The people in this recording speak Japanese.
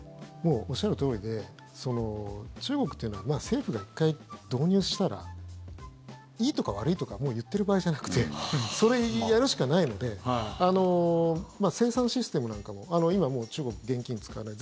おっしゃるとおりで中国というのは政府が１回導入したらいいとか悪いとか言ってる場合じゃなくてそれをやるしかないので精算システムなんかも今、もう中国は現金使わない